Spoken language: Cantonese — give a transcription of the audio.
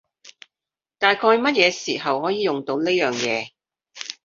大概乜嘢時候可以用到呢樣嘢？